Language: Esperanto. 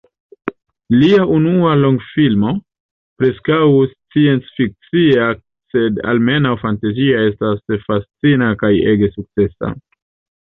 Lia unua longfilmo, preskaŭ scienc-fikcia sed almenaŭ fantazia, estas fascina kaj ege sukcesa.